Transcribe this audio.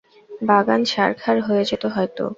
বাগান ছারখার হয়ে যেত হয়তো।